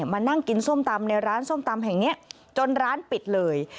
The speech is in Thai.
มานั่งกินส้มตำในร้านส้มตำแห่งนี้จนร้านปิดเลย